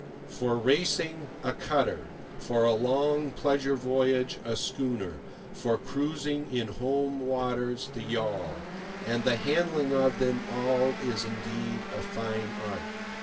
For racing, a cutter; for a long pleasure voyage, a schooner; for cruising in home waters, the yawl; and the handling of them all is indeed a fine art.